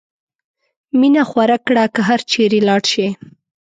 مینه خوره کړه که هر چېرې لاړ شې.